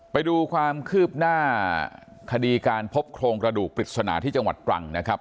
ไปดูความคืบหน้าคดีการพบโครงกระดูกปริศนาที่จังหวัดตรังนะครับ